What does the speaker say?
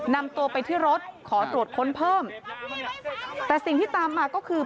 นำตัวไปที่รถขอตรวจค้นเพิ่มแต่สิ่งที่ตามมาก็คือ